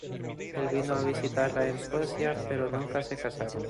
El vino a visitarla a Suecia, pero nunca se casaron.